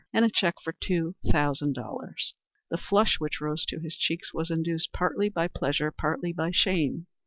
and a check for two thousand dollars. The flush which rose to his cheeks was induced partly by pleasure, partly by shame.